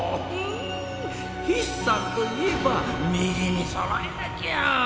ひっ算といえば右にそろえなきゃ！